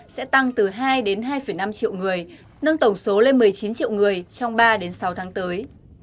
sẽ tăng từ hai đến hai năm triệu người nâng tổng số lên một mươi chín triệu người trong ba đến sáu tháng tới